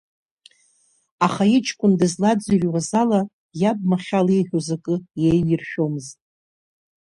Аха иҷкәын дызлаӡырҩуаз ала, иаб Махьал ииҳәоз акы иеиҩиршәомызт.